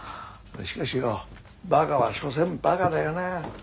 しかしよバカは所詮バカだよな。